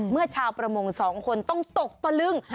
เมื่อชาวประมงสองคนต้องตกตะลึง